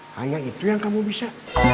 hanya itu yang kamu bisa